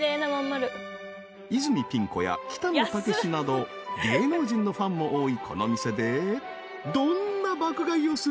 ［泉ピン子や北野武など芸能人のファンも多いこの店でどんな爆買いをするのか？］